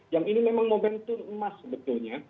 yang ini memang momentum emas sebetulnya